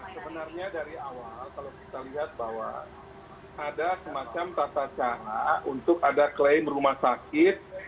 sebenarnya dari awal kalau kita lihat bahwa ada semacam tata cara untuk ada klaim rumah sakit